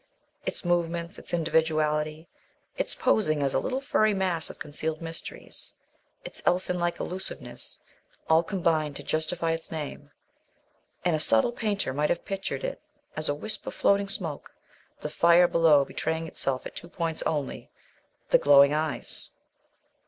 Its movements, its individuality, its posing as a little furry mass of concealed mysteries, its elfin like elusiveness, all combined to justify its name; and a subtle painter might have pictured it as a wisp of floating smoke, the fire below betraying itself at two points only the glowing eyes.